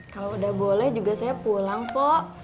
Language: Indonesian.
kalau udah boleh juga saya pulang kok